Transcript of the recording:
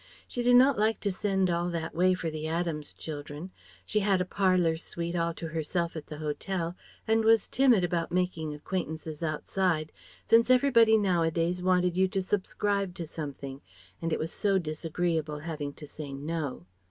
She did not like to send all that way for the Adams children, she had a parlour suite all to herself at the hotel, and was timid about making acquaintances outside, since everybody now a days wanted you to subscribe to something, and it was so disagreeable having to say "no."